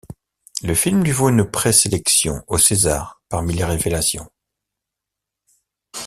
Le film lui vaut une pré-sélection aux César parmi les révélations.